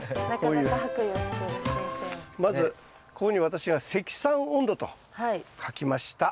まずここに私が「積算温度」と書きました。